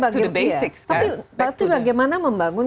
tapi bagaimana membangun